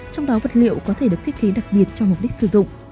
trong đó vật liệu có thể được thiết kế đặc biệt cho mục đích sử dụng